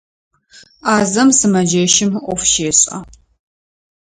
Ӏазэм сымэджэщым ӏоф щешӏэ.